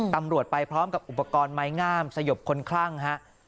ตำรวจไปพร้อมกับอุปกรณ์ไม้งามสยบคนคลั่งฮะ